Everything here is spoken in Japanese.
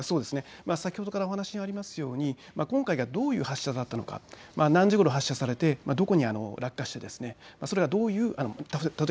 先ほどからお話ありますように今回がどういう発射だったのか何時ごろ発射されてどこに落下してです。